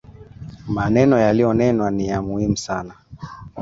Maneno yaliyonenwa ni ya muhimu sana